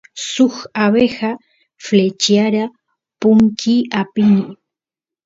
suk abeja flechyara punkiy apini